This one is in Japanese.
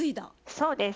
そうです。